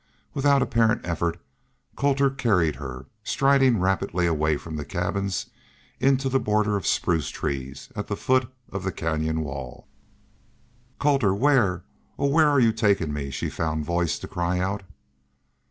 Without apparent effort Colter carried her, striding rapidly away from the cabins into the border of spruce trees at the foot of the canyon wall. "Colter where oh, where are Y'u takin' me?" she found voice to cry out.